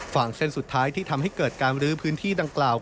ฝั่งเส้นสุดท้ายที่ทำให้เกิดการบรื้อพื้นที่ดังกล่าว